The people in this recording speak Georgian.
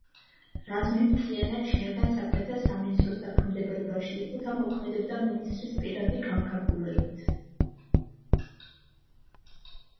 რაზმი მთლიანად შინაგან საქმეთა სამინისტროს დაქვემდებარებაში იყო და მოქმედებდა მინისტრის პირადი განკარგულებით.